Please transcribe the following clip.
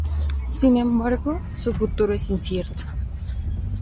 Sin embargo, su futuro es incierto.